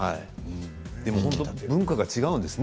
本当に文化が違うんですね。